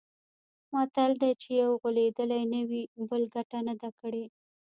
متل دی: چې یو غولېدلی نه وي، بل ګټه نه ده کړې.